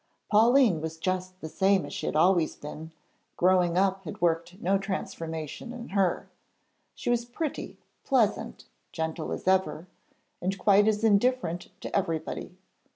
Pauline was just the same as she had always been; 'growing up' had worked no transformation in her. She was pretty, pleasant, gentle as ever, and quite as indifferent to everybody.